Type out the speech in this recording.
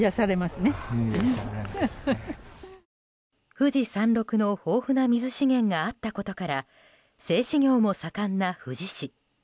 富士山麓の豊富な水資源があったことから製紙業も盛んな富士市。